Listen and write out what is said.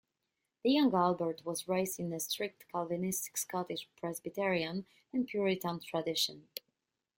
The young Albert was raised in a strict Calvinistic Scottish Presbyterian and Puritan tradition.